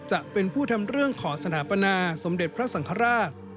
จะเป็นผู้ทำเรื่องขอสถาปนาสมเด็จพระสังฆราช